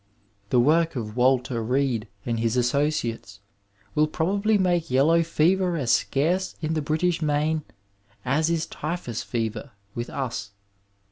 The work of Walter Reed and his associates will probably make yellow fever as scarce in the Spanish Main as is typhus fever with us.